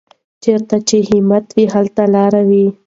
چېرې چې همت وي، هلته لاره وي.